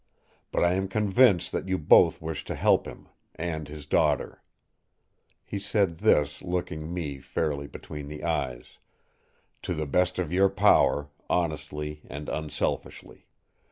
But I am convinced that you both wish to help him—and his daughter," he said this looking me fairly between the eyes, "to the best of your power, honestly and unselfishly.